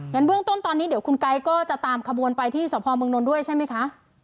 เบื้องต้นตอนนี้เดี๋ยวคุณไก๊ก็จะตามขบวนไปที่สพเมืองนนท์ด้วยใช่ไหมคะ